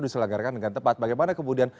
diselenggarakan dengan tepat bagaimana kemudian